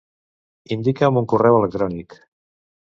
Indica'm un correu electrònic.